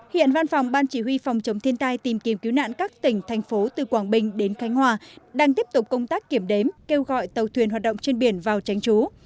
hiện văn phòng ban chỉ huy phòng chống thiên tai tìm kiếm cứu nạn các tỉnh thành phố từ quảng bình đến khánh hòa đang tiếp tục công tác kiểm đếm kêu gọi tàu thuyền hoạt động trên biển vào tránh trú